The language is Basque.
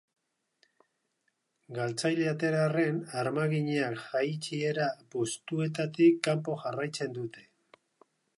Galtzaile atera arren, armaginak jaitsiera postuetatik kanpo jarraitzen dute.